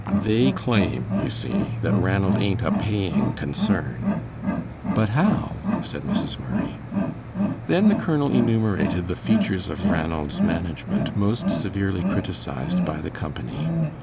They claim, you see, that Ranald ain't a paying concern." "But how?" said Mrs. Murray. Then the colonel enumerated the features of Ranald's management most severely criticised by the company.